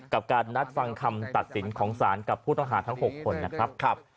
กับการนัดฟังคำตัดสินของศาลกับผู้ต้องหาทั้ง๖คนนะครับ